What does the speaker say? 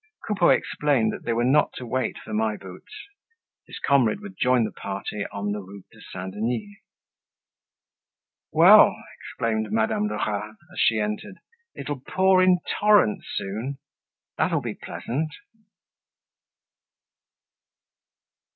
Coupeau explained that they were not to wait for My Boots; his comrade would join the party on the Route de Saint Denis. "Well!" exclaimed Madame Lerat as she entered, "it'll pour in torrents soon! That'll be pleasant!"